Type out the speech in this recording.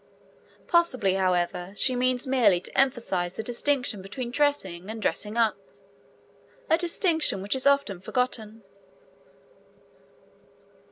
Possibly, however, she means merely to emphasise the distinction between dressing and dressing up, a distinction which is often forgotten.